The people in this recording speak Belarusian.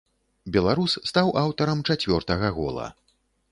Беларус стаў аўтарам чацвёртага гола.